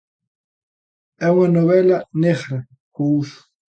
É unha novela negra ao uso.